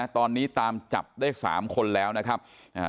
ตอนนี้ตามจับได้๓คนแล้วนะครับ